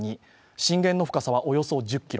震源の深さはおよそ１０ｋｍ。